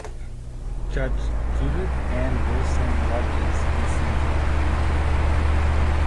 Judge Judith Ann Wilson Rogers dissented.